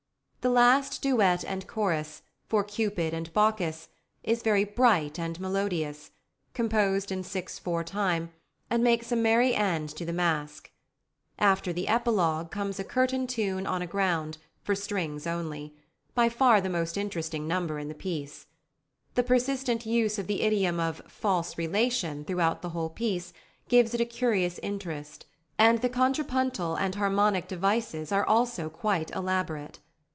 The last duet and chorus, for Cupid and Bacchus, is very bright and melodious, composed in six four time, and makes a merry end to the masque. After the epilogue comes a "Curtain tune on a ground," for strings only by far the most interesting number in the piece. The persistent use of the idiom of "false relation" throughout the whole piece gives it a curious interest; and the contrapuntal and harmonic devices are also quite elaborate.